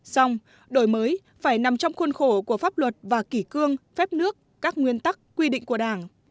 xong đổi mới phải nằm trong khuôn khổ của pháp luật và kỷ cương phép nước các nguyên tắc quy định của đảng